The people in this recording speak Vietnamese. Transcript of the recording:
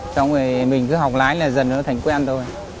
trong này mình cứ học lái là dần nữa thành quen thôi